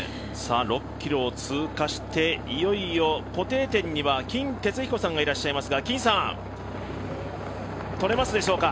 ６ｋｍを通過して、いよいよ固定点には金哲彦さんがいらっしゃいます。